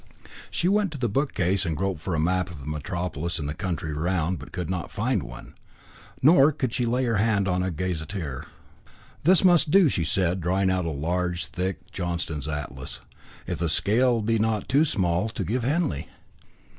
She went to the bookcase, and groped for a map of the Metropolis and the country round, but could not find one. Nor could she lay her hand on a gazetteer. "This must do," said she, drawing out a large, thick Johnston's Atlas, "if the scale be not too small to give Henley."